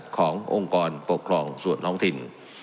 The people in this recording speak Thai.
ขององค์กรปกครองส่วนท้องถิ่น